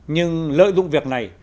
nhưng lợi dụng việc này